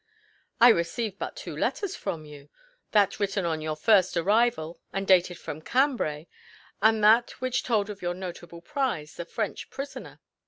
"I received but two letters from you that written on your first arrival, and dated from Cambray; and that which told of your notable prize, the French prisoner."